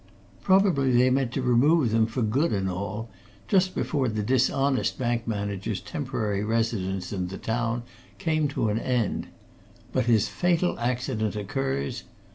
Probably, they meant to remove them for good and all, just before the dishonest bank manager's temporary residence in the town came to an end. But his fatal accident occurs.